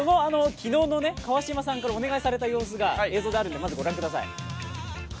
昨日の川島さんにお願いされた様子が映像であるのでご覧ください。